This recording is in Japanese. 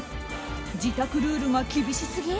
自宅ルールが厳しすぎ？